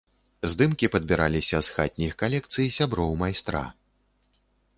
Здымкі падбіраліся з хатніх калекцый сяброў майстра.